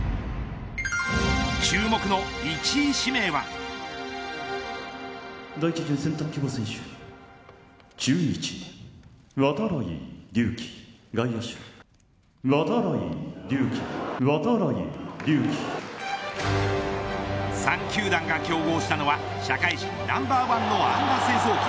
注目の１位指名は。、３球団が競合したのは社会人ナンバーワンの安打製造機